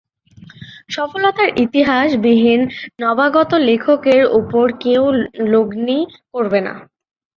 সফলতার ইতিহাস বিহীন নবাগত লেখকের উপর কেউ লগ্নি করবে না।